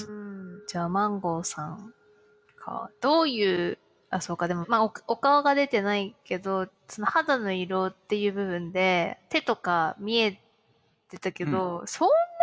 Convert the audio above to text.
じゃあマンゴーさんどういうそうかでもまあお顔が出てないけど肌の色っていう部分で手とか見えてたけどそんなに黒いって思わなかったんだけど。